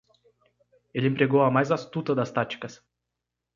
Ele empregou a mais astuta das táticas.